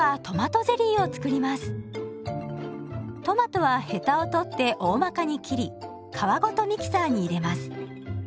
トマトはヘタを取っておおまかに切り皮ごとミキサーに入れます。